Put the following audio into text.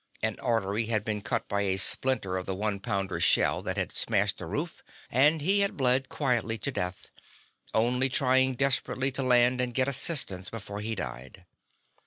An artery had been cut by a splinter of the one pounder shell that had smashed the roof, and he had bled quietly to death, only trying desperately to land and get assistance before he died.